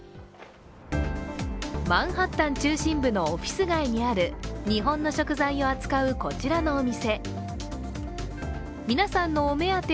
マンハッタン中心部のオフィス街にある日本の食材を扱うこちらのお店。